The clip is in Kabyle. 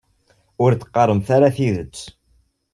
Ur d-teqqaremt ara tidet.